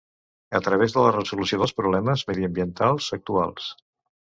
a través de la resolució dels problemes mediambientals actuals